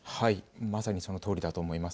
まさにそのとおりだと思います。